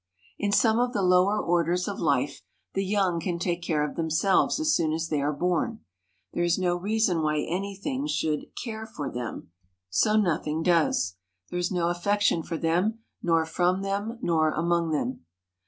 In some of the lower orders of life the young can take care of themselves as soon as they are born. There is no reason why anything should "care for" them, so nothing does. There is no affection for them nor from them nor among them.